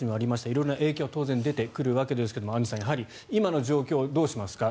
色々な影響が当然出てくるわけですがアンジュさんやはり今の状況どうしますか。